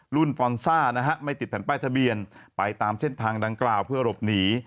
ฟอนซ่านะฮะไม่ติดแผ่นป้ายทะเบียนไปตามเส้นทางดังกล่าวเพื่อหลบหนี